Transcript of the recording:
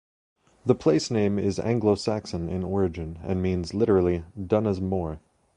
The place name is Anglo Saxon in origin, and means literally "Dunna's moor".